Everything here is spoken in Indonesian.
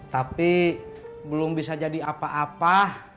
tapi belum bisa jadi apa apa